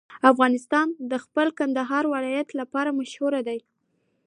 افغانستان د خپل کندهار ولایت لپاره مشهور دی.